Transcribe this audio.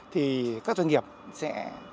thì các doanh nghiệp sẽ